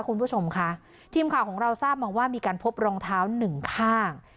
คุณผู้ชมค่ะทีมข่าวของเราทราบมาว่ามีการพบรองเท้าหนึ่งข้าง